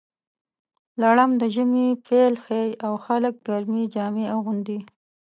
لړم د ژمي پیل ښيي، او خلک ګرمې جامې اغوندي.